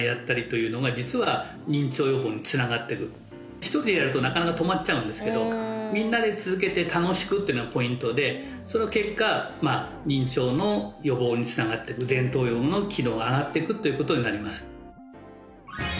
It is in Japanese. １人でやるとなかなか止まっちゃうんですけどみんなで続けて楽しくっていうのがポイントでその結果認知症の予防につながっていく前頭葉の機能が上がっていくということになります